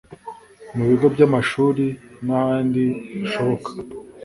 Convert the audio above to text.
mu bigo by’amashuri n’ahandi hashoboka